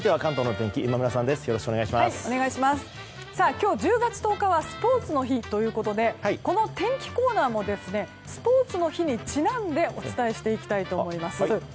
今日１０月１０日はスポーツの日ということでこの天気コーナーもスポーツの日にちなんでお伝えしていきたいと思います。